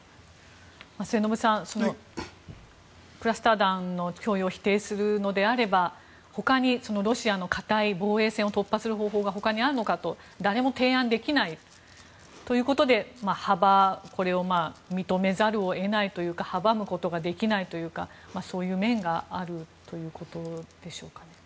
末延さん、クラスター弾の供与を否定するのであればほかに、ロシアの堅い防衛線を突破する方法がほかにあるのかと誰も提案できないということでこれを認めざるを得ないというか阻むことができないというかそういう面があるということでしょうかね。